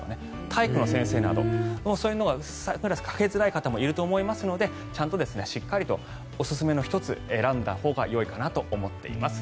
体育の先生などかけづらい方もいると思いますのでちゃんとしっかりとおすすめの１つ、選んだほうがいいかと思います。